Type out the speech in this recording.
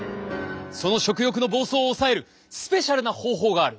その食欲の暴走を抑えるスペシャルな方法がある。